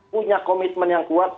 punya komitmen yang kuat